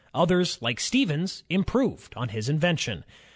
Others like Stevens improved on his invention.